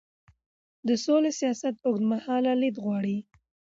د سولې سیاست اوږدمهاله لید غواړي